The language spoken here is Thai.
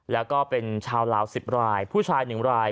แล้วก็เป็นชาวลาว๑๐รายผู้ชาย๑ราย